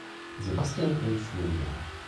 Sebastian und Florian.